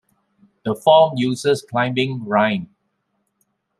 The form uses climbing rhyme.